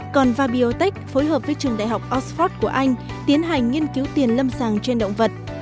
còn vabiotech phối hợp với trường đại học oxford của anh tiến hành nghiên cứu tiền lâm sàng trên động vật